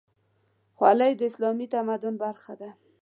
خولۍ د اسلامي تمدن برخه ده.